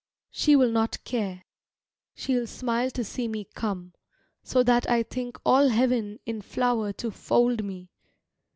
She will not care. She'll smile to see me come, So that I think all Heaven in flower to fold me.